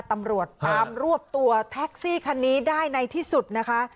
ตำรวจตามรวบตัวแท็กซี่คันนี้ได้ในที่สุดนะคะ